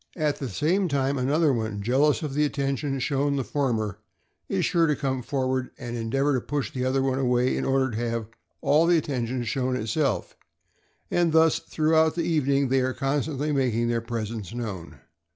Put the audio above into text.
At the same time, another one, jealous of the atten tion shown the former, is sure to come forward and en deavor to push the other one away in order to have all the attention shown itself; and thus throughout the evening they are constantly making their presence known.